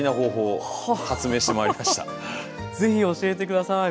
是非教えて下さい。